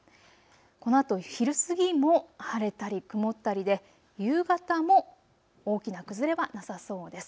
このあと昼過ぎも晴れたり曇ったりで、夕方も大きな崩れはなさそうです。